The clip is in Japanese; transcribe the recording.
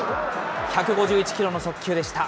１５１キロの速球でした。